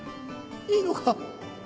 いいのか？